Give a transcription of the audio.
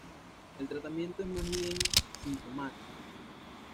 El tratamiento es más bien sintomático.